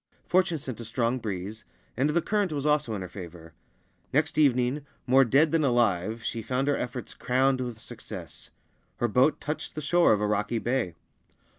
Fortune sent a strong breeze, and the current also was in her favour. Next evening, more dead than alive, she found her efforts crowned with success. Her boat touched the shore of a rocky bay.